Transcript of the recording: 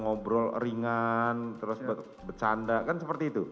ngobrol ringan terus bercanda kan seperti itu